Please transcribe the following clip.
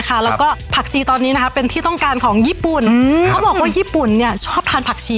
เขาจะบอกว่าให้